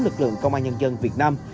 lực lượng công an nhân dân việt nam